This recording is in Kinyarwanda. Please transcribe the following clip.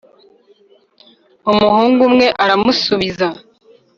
Umuhungu umwe aramusubiza